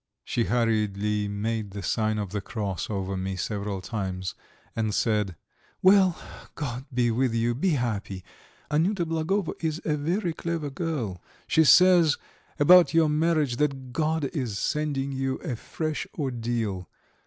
She hurriedly made the sign of the cross over me several times and said: "Well, God be with you. Be happy. Anyuta Blagovo is a very clever girl; she says about your marriage that God is sending you a fresh ordeal.